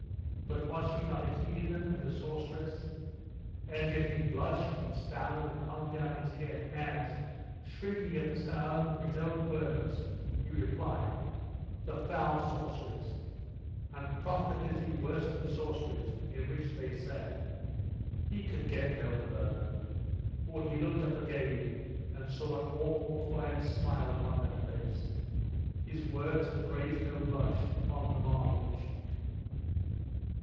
But was she not a heathen and a sorceress? And yet he blushed, and stammered, and hung down his head, as, shrinking at the sound of his own words, he replied 'The foul sorceries and profligacy worse than sorceries, in which, they say ' He could get no farther: for he looked up again and saw an awful quiet smile upon that face. His words had raised no blush upon the marble cheek.